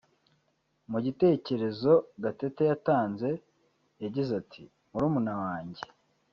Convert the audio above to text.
Mu gitekerezo Gatete yatanze yagize ati “ Murumuna wanjye